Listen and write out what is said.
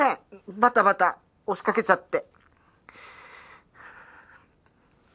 バタバタ押しかけちゃって。